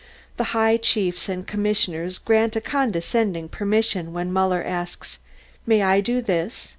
The high chiefs and commissioners grant a condescending permission when Muller asks, "May I do this?